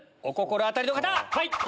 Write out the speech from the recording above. お心当たりの方！